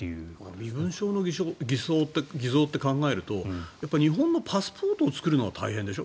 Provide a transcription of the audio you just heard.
身分証の偽造って考えると日本のパスポートを作るのは大変でしょ？